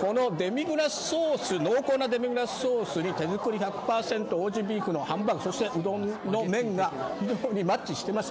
この濃厚なデミグラスソースに手作り１００％、オージー・ビーフのハンバーグとうどんがマッチしています。